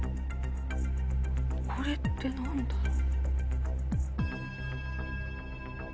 これって何だろう？